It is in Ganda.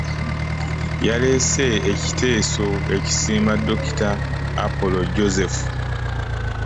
Yaleese ekiteeso ekisiima Dokita Epodoi Joseph.